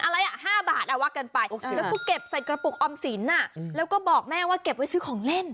แล้วพูดเก็บใส่กระปุกออมสินแล้วก็บอกแม่ว่าเก็บไว้ซื้อของเล่น